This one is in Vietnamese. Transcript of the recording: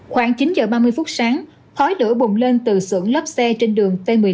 khoảng chín giờ ba mươi phút sáng khói lửa bùng lên từ xưởng lốp xe trên đường t một mươi năm